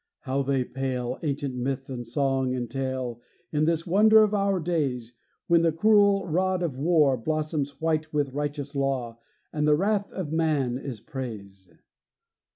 How they pale, Ancient myth and song and tale, In this wonder of our days, When the cruel rod of war Blossoms white with righteous law And the wrath of man is praise!